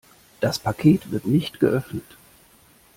Das Paket wird nicht geöffnet.